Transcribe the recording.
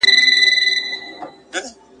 خدایه کشکي مي دا شپه نه ختمېدلای `